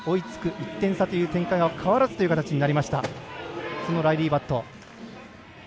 １点差という展開は変わらずという形になりました。